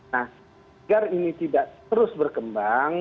nah agar ini tidak terus berkembang